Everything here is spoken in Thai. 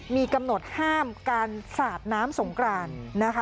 มีกำหนดห้ามการสาดน้ำสงกรานนะคะ